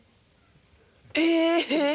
ええ！